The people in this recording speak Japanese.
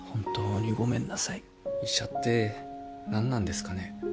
医者って何なんですかね。